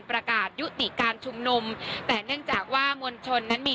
ประกาศยุติการชุมนุมแต่เนื่องจากว่ามวลชนนั้นมี